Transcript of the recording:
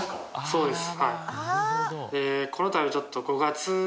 そうです。